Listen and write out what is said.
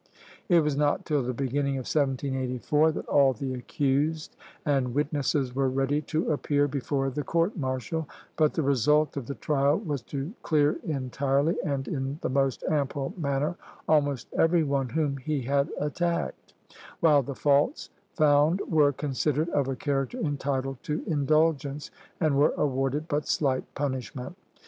" It was not till the beginning of 1784 that all the accused and witnesses were ready to appear before the court martial; but the result of the trial was to clear entirely and in the most ample manner almost every one whom he had attacked, while the faults found were considered of a character entitled to indulgence, and were awarded but slight punishment.